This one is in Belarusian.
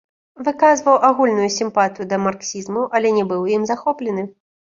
Выказваў агульную сімпатыю да марксізму, але не быў ім захоплены.